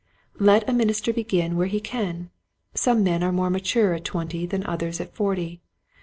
Let a minister begin where he can. Some men are more mature at twenty than others at forty.